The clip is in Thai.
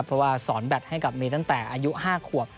เพราะว่าสอนแบตให้กับเมย์ตั้งแต่อายุ๕ขวบ